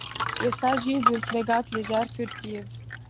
Il s'agit d'une frégate légère furtive.